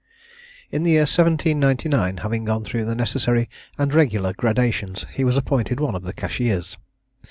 In the year 1799, having gone through the necessary and regular gradations, he was appointed one of the cashiers.